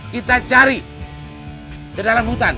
kita cari ke dalam hutan